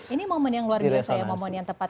ini momen yang luar biasa ya momen yang tepat